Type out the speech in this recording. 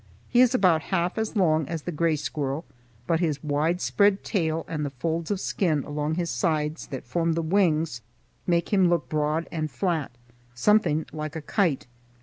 He is about half as long as the gray squirrel, but his wide spread tail and the folds of skin along his sides that form the wings make him look broad and flat, something like a kite.